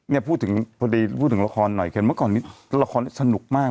พูดถึงพอดีพูดถึงละครหน่อยเห็นเมื่อก่อนนี้ละครสนุกมาก